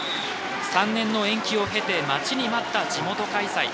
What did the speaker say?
３年の延期を経て待ちに待った地元開催。